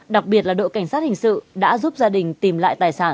đặc biệt là đội cảnh sát hình sự đã giúp gia đình tìm lại tài sản